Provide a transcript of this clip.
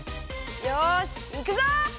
よしいくぞ！